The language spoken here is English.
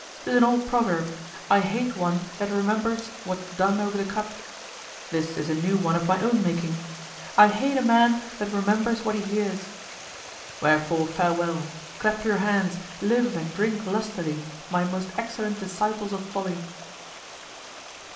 'Tis an old proverb, "I hate one that remembers what's done over the cup." This is a new one of my own making: I hate a man that remembers what he hears. Wherefore farewell, clap your hands, live and drink lustily, my most excellent disciples of Folly.